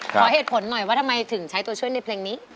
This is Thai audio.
ขอเหตุผลหน่อยว่าทำไมถึงใช้ตัวช่วยในเพลงนี้